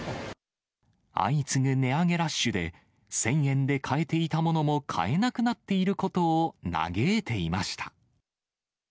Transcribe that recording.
相次ぐ値上げラッシュで、１０００円で買えていたものも買えなくなっていることを嘆いていました。